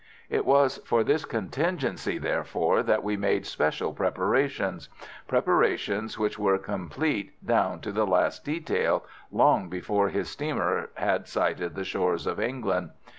It was for this contingency, therefore, that we made special preparations—preparations which were complete down to the last detail long before his steamer had sighted the shores of England.